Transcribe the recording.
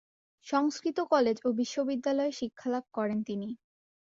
সংস্কৃত college ও বিশ্ববিদ্যালয়ে শিক্ষালাভ করেন তিনি।